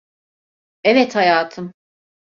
Evet hayatım.